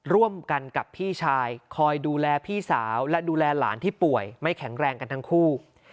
ร่วมกันกับพี่ชายคอยดูแลพี่สาวและดูแลหลานที่ป่วยไม่แข็งแรงกันทั้งคู่